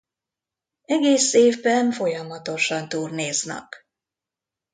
Egész évben folyamatosan turnéznak.